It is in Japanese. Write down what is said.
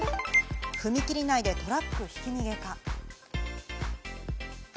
踏切内でトラックひき逃げか？